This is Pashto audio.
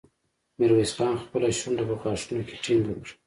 ميرويس خان خپله شونډه په غاښونو کې ټينګه کړه.